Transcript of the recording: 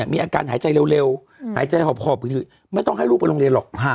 มีอาการหายใจเร็วหายใจหอบไม่ต้องให้ลูกไปโรงเรียนหรอก